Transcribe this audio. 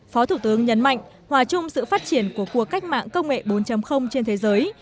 phó thủ tướng nhấn mạnh hòa chung sự phát triển của cuộc cách mạng công nghệ bốn trên thế giới